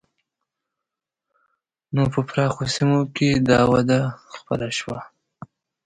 نو په پراخو سیمو کې دا وده خپره شوه.